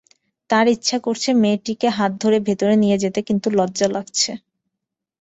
তার ইচ্ছা করছে মেয়েটিকে হাত ধরে ভেতরে নিয়ে যেতে, কিন্তু লজ্জা লাগছে।